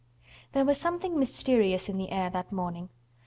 There was something mysterious in the air that morning.